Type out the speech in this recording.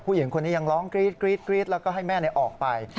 ผู้หญิงคนนี้ยังร้องกรี๊ดแล้วก็ให้แม่ออกไป